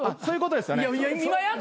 そういうことですよね。